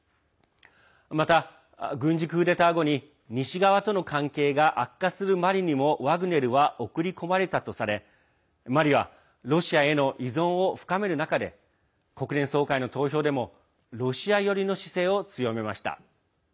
また軍事クーデター後に西側との関係が悪化するマリにもワグネルは送り込まれたとされマリは、ロシアへの依存を深める中で国連総会の投票でもロシア寄りの姿勢を強めました。